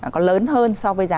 có lớn hơn so với giá